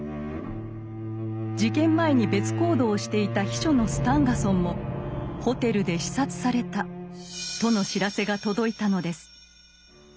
事件前に別行動をしていた秘書のスタンガソンもホテルで刺殺されたとの知らせが届いたのです。